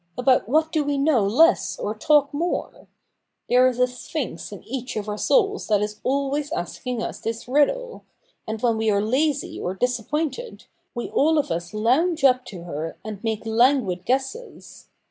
About what do we know less or talk more ? There is a Sphinx in each of our souls that is always asking us this riddle ; and when we are lazy or disappointed, we all of us lounge up to her, and make languid guesses.